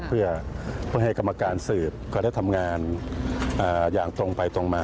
เพื่อให้กรรมการสืบก็ได้ทำงานอย่างตรงไปตรงมา